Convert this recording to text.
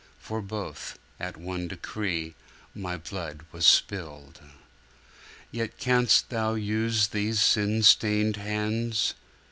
For both, at one decree, My Blood was spilled.' Yet canst Thou use these sin stained hands?